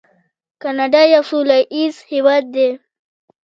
کاناډا یو سوله ییز هیواد دی.